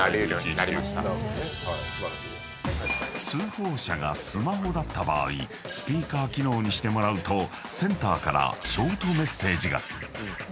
［通報者がスマホだった場合スピーカー機能にしてもらうとセンターからショートメッセージが］